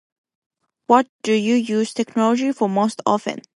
What do you use technology for most often?